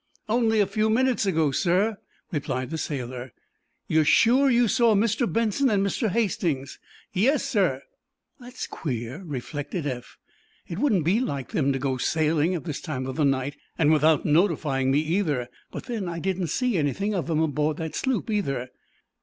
"Only a few minutes ago, sir," replied the sailor. "You're sure you saw Mr. Benson and Mr. Hastings?" "Yes, sir." "That's queer," reflected Eph. "It wouldn't be like them to go sailing at this time of the night, and without notifying me, either. But, then, I didn't see anything of 'em aboard that sloop, either."